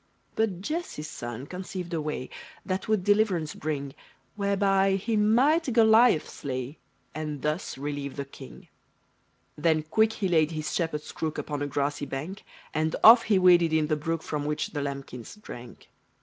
But Jesse's son conceived a way, That would deliverance bring; Whereby he might Goliath slay, And thus relieve the king. Then quick he laid his shepherd's crook Upon a grassy bank; And off he waded in the brook From which the lambkins drank.